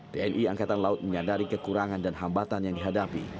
tni angkatan laut menyadari kekurangan dan hambatan yang dihadapi